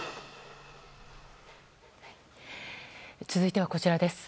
続いては、こちらです。